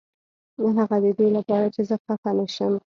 هغه ددې لپاره چې زه خفه نشم.